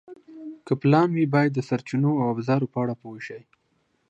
که پلان وي، باید د سرچینو او ابزارو په اړه پوه شئ.